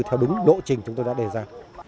theo đúng độ trình chúng tôi đã đề ra